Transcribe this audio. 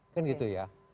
kan gitu ya